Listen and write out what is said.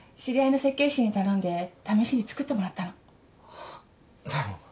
知り合いの設計士に頼んで試しに作ってもらったの。